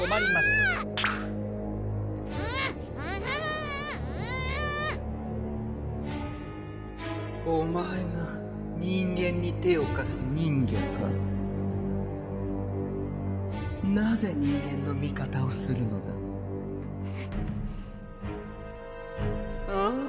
もうお前が人間に手をかす人魚かなぜ人間の味方をするのだあぁ